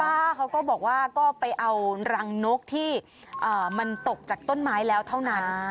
ป้าเขาก็บอกว่าก็ไปเอารังนกที่มันตกจากต้นไม้แล้วเท่านั้น